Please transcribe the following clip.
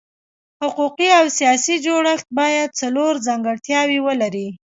حقوقي او سیاسي جوړښت باید څلور ځانګړتیاوې ولري.